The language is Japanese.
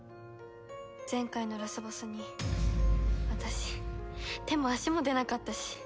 前回のラスボスに私手も足も出なかったし。